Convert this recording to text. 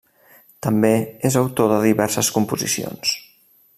També és autor de diverses composicions.